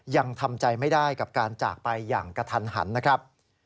ยังทำใจไม่ได้กับการจากไปอย่างกระทันหันนะครับ